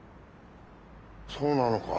そうなのか。